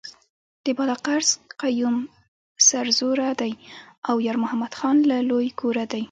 د بالاکرز قیوم سرزوره دی او یارمحمد خان له لوی کوره دی.